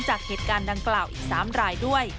จากเหตุการณ์ดังกล่าวอีก๓รายด้วย